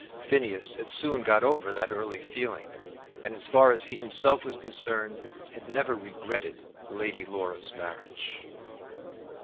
Phineas had soon got over that early feeling; and as far as he himself was concerned had never regretted Lady Laura's marriage.